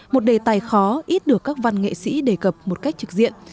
một đề tài khó ít được các văn nghệ sĩ đề cập một cách trực diện